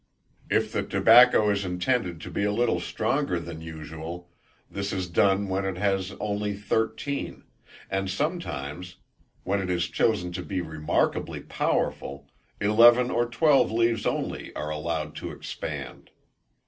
If the tobacco is intended to be a little stronger than usual, this is done when it has only thirteen; and sometimes, when it is chosen to be remarkably powerful, eleven or twelve leaves only are allowed to expand.